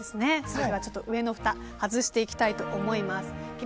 それでは、上のふたを外していきたいと思います。